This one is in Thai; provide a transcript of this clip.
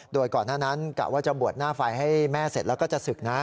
โดยก่อนหน้านั้นกะว่าจะบวชหน้าไฟให้แม่เสร็จแล้วก็จะศึกนะ